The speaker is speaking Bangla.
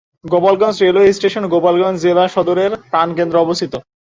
গোপালগঞ্জ রেলওয়ে স্টেশন গোপালগঞ্জ জেলা সদরের প্রাণকেন্দ্রে অবস্থিত।